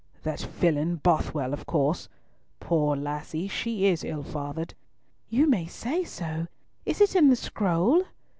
"That villain, Bothwell, of course. Poor lassie, she is ill fathered!" "You may say so. Is it in the scroll?"